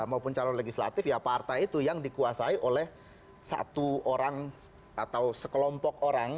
maupun calon legislatif ya partai itu yang dikuasai oleh satu orang atau sekelompok orang